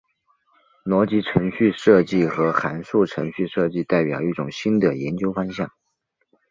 逻辑程序设计和函数程序设计代表一种新的研究方向。